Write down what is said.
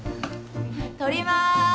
撮ります。